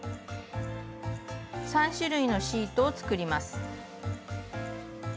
３種類のシートを作ります。